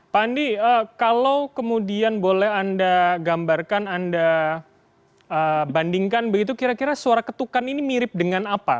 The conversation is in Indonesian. pak andi kalau kemudian boleh anda gambarkan anda bandingkan begitu kira kira suara ketukan ini mirip dengan apa